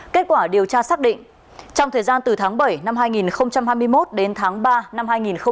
kết quả điều tra xác định trong thời gian từ tháng bảy năm hai nghìn hai mươi một đến tháng ba năm hai nghìn hai mươi ba